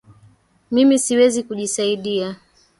Mimi siwezi kujisaidia